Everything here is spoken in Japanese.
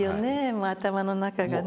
もう頭の中がね。